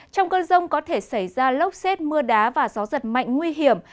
trong cơn rông có thể xảy ra lốc xét mưa đá và gió giật mạnh nguy hiểm